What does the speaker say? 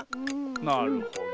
なるほど。